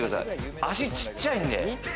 足、ちっちゃいんで。